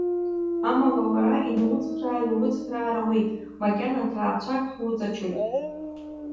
Амала уара, инауцхраа-ҩауцхраар ауеит, макьана ҭаацәак ҳуҵачоит.